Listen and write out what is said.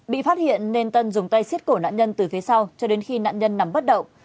bị phát hiện nên tân dùng tay xiết cổ nạn nhân từ phía sau cho đến khi nạn nhân nằm bất động